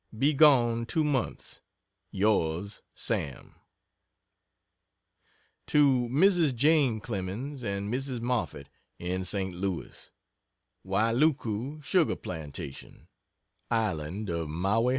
Be gone two months. Yrs. SAM. To Mrs. Jane Clemens and Mrs. Moffett, in St. Louis: WAILUKU SUGAR PLANTATION, ISLAND OF MAUI, H.